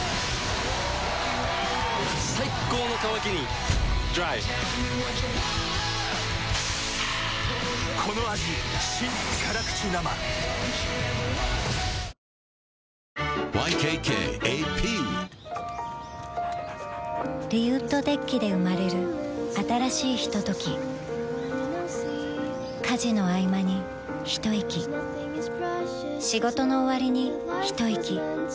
最高の渇きにＤＲＹＹＫＫＡＰリウッドデッキで生まれる新しいひととき家事のあいまにひといき仕事のおわりにひといき